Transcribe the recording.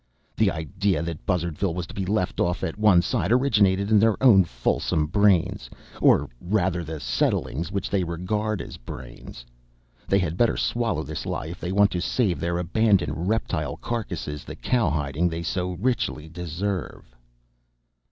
The idea that Buzzardville was to be left off at one side originated in their own fulsome brains or rather in the settlings which they regard as brains. They had better swallow this lie if they want to save their abandoned reptile carcasses the cowhiding they so richly deserve.